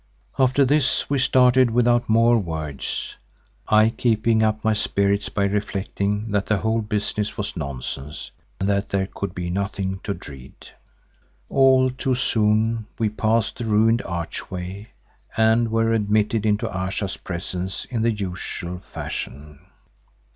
After this we started without more words, I keeping up my spirits by reflecting that the whole business was nonsense and that there could be nothing to dread. All too soon we passed the ruined archway and were admitted into Ayesha's presence in the usual fashion.